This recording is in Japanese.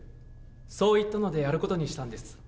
そう言ったので、やることにしたんです。